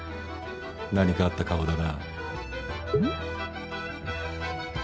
何かあった顔だな。